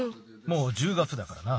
もう１０月だからな。